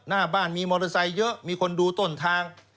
หน้าบ้านมีมอเตอร์ไซค์เยอะมีคนดูต้นทาง